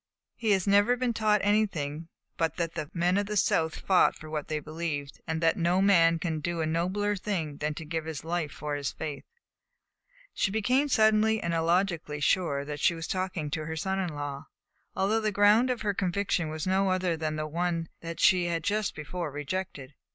"He has never been taught anything but that the men of the South fought for what they believed, and that no man can do a nobler thing than to give his life for his faith." She became suddenly and illogically sure that she was talking to her son in law, although the ground of her conviction was no other than the one she had just before rejected.